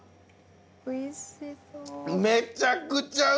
おいしそう。